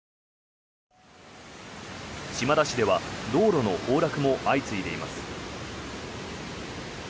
島田市では道路の崩落も相次いでいます。